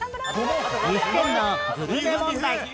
岐阜県のグルメ問題